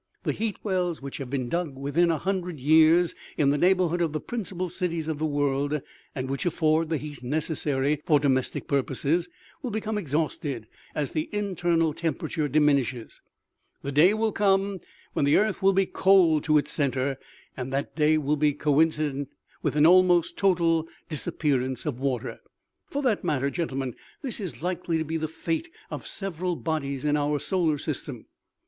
The heat wells which have been dug within a hundred years, in the neighborhood of the principal cities of the world, and which afford the heat necessary for domestic purposes, will become exhausted as the internal temperature diminishes. The day will come when the earth will be cold to its center, and that day will be coinci dent with an almost total disappearance of water. " For that matter, gentlemen, this is likely to be the fate of several bodies in our solar system.